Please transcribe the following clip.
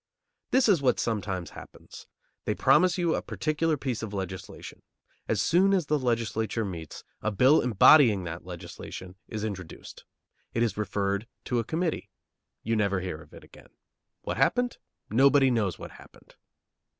This is what sometimes happens: They promise you a particular piece of legislation. As soon as the legislature meets, a bill embodying that legislation is introduced. It is referred to a committee. You never hear of it again. What happened? Nobody knows what happened.